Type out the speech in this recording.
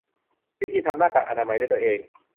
วิธีทำหน้ากากอนามัยด้วยตัวเอง